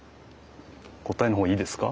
答えのほういいですか？